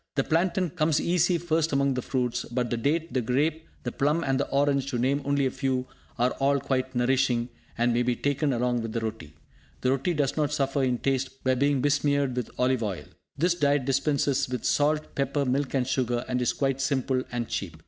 The plantain comes easy first among the fruits; but the date, the grape, the plum and the orange, to name only a few, are all quite nourishing, and may be taken along with the roti. The roti does not suffer in taste by being besmeared with olive oil. This diet dispenses with salt, pepper, milk and sugar, and is quite simple and cheap.